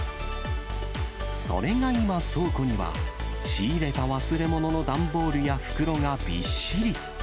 それが今、倉庫には仕入れた忘れ物の段ボールや袋がびっしり。